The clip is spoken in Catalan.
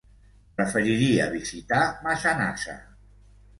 Preferiria visitar Massanassa.